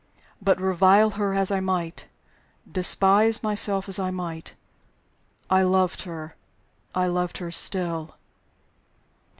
But revile her as I might, despise myself as I might, I loved her I loved her still!